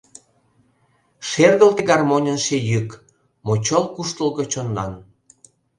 Шергылте гармоньын ший йӱк — Мочол куштылго чонлан!